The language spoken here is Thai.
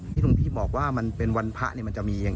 ทางผู้ชมพอเห็นแบบนี้นะทางผู้ชมพอเห็นแบบนี้นะ